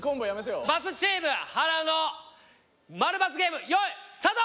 ×チームはらの○×ゲームよいスタート！